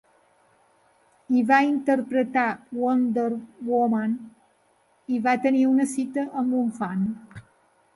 Hi va interpretar Wonder Woman i va tenir una cita amb un fan.